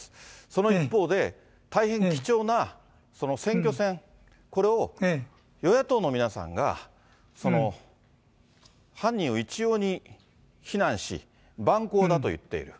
その一方で、大変貴重な選挙戦、これを、与野党の皆さんが、犯人を一様に非難し、蛮行だと言っている。